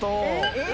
え？